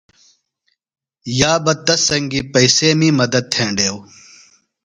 یابہ تس سنگیۡ پئیسیمی مدت تھینڈیوۡ۔